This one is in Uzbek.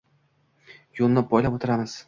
Yo`lini poylab o`tiramiz